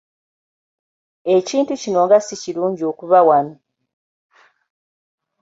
Ekintu kino nga si kirungi okuba wano.